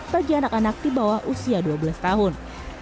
bagi anak anak di bawah usia dua belas tahun